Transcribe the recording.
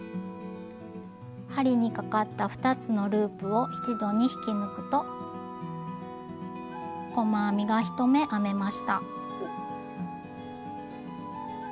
針にかかった２つのループを一度に引き抜くと細編みが１目編めました。